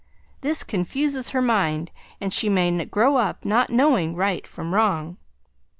This confuses her mind, and she may grow up not knowing right from wrong.